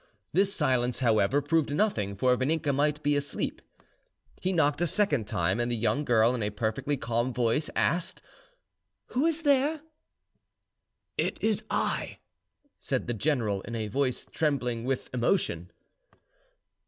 This silence, however, proved nothing; for Vaninka might be asleep. He knocked a second time, and the young girl, in a perfectly calm voice, asked, "Who is there?" "It is I," said the general, in a voice trembling with emotion.